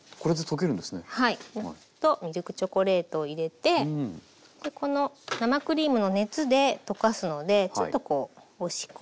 ミルクチョコレートを入れてこの生クリームの熱で溶かすのでちょっとこう押し込んで。